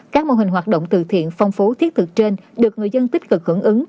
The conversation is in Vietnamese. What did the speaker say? các mô hình hoạt động từ thiện phong phú thiết thực trên được người dân tích cực hưởng ứng